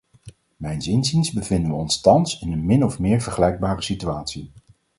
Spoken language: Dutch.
Mijns inziens bevinden we ons thans in een min of meer vergelijkbare situatie.